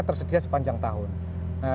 tersedia sepanjang tahun nah